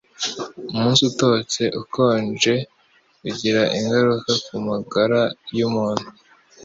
Umunsi utose, ukonje ugira ingaruka kumagara yumuntu.